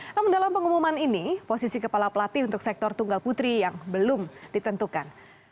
namun dalam pengumuman ini posisi kepala pelatih untuk sektor tunggal putri yang belum ditentukan